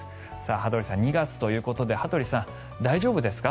羽鳥さん、２月ということで大丈夫ですか？